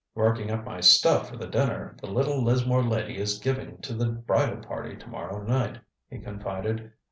"Working up my stuff for the dinner the little Lismore lady is giving to the bridal party to morrow night," he confided.